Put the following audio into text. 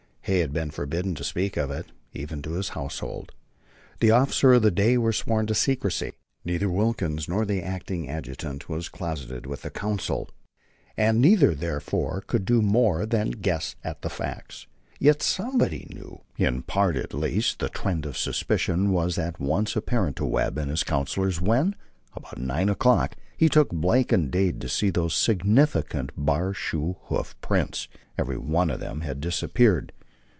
Hay had been forbidden to speak of it, even to his household. The officers of the day were sworn to secrecy. Neither Wilkins nor the acting adjutant was closeted with the council, and neither, therefore, could do more than guess at the facts. Yet that somebody knew, in part at least, the trend of suspicion, was at once apparent to Webb and his councilors when, about nine o'clock, he took Blake and Dade to see those significant "bar shoe" hoof prints. Every one of them had disappeared.